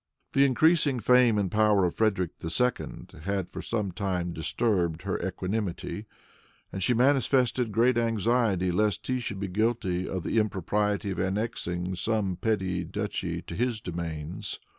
The increasing fame and power of Frederic II. had for some time disturbed her equanimity, and she manifested great anxiety lest he should be guilty of the impropriety of annexing some petty duchy to his domains.